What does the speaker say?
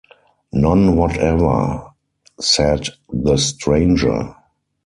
"None whatever," said the stranger.